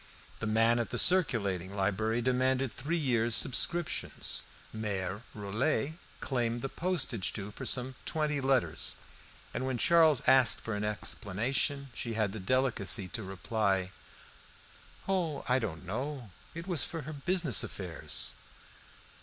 The man at the circulating library demanded three years' subscriptions; Mere Rollet claimed the postage due for some twenty letters, and when Charles asked for an explanation, she had the delicacy to reply "Oh, I don't know. It was for her business affairs."